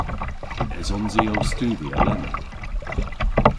Esons i ow studhya lemmyn?